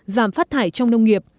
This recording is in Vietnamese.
giảm phát thải trong nông nghiệp